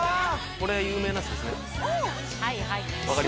これ有名なやつですね。